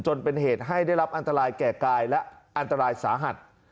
จนเป็นเหตุให้ได้รับอันตรายแก่กายและอันตรายสาหัส